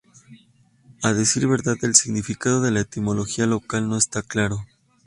A decir verdad, el significado de la etimología local no está claro.